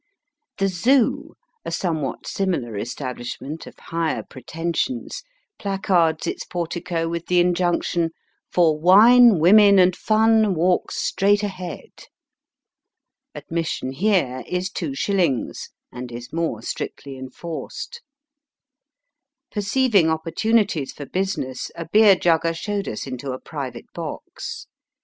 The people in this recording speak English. The Zoo, a somewhat similar establish ment, of higher pretensions, placards its Digitized by VjOOQIC A MINING CAMP IN THE ROOKY MOUNTAINS, 87 portico with the injunction " For Wine, Women, and Fun, walk straight ahead." Admission here is two shillings, and is more strictly enforced. Perceiving opportunities for business a beer jugger showed us into a private box.